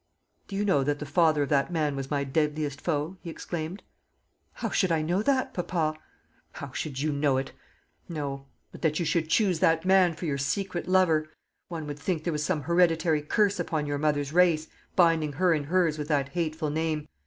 "Do you know that the father of that man was my deadliest foe?" he exclaimed. "How should I know that, papa?" "How should you know it! no. But that you should choose that man for your secret lover! One would think there was some hereditary curse upon your mother's race, binding her and hers with that hateful name.